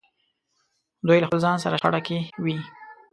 دوی له خپل ځان سره شخړه کې وي.